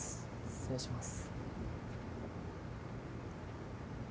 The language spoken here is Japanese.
失礼します。